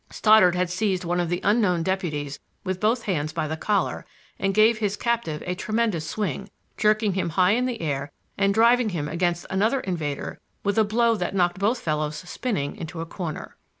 Stoddard had seized one of the unknown deputies with both hands by the collar and gave his captive a tremendous swing, jerking him high in the air and driving him against another invader with a blow that knocked both fellows spinning into a corner.